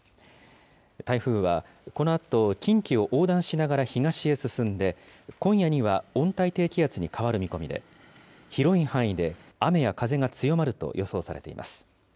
台風はこのあと、近畿を横断しながら東へ進んで、今夜には温帯低気圧に変わる見込みで、広い範囲で雨や風が強まると予想されています。